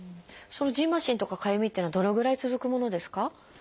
そのじんましんとかかゆみっていうのはどのぐらい続くものですか？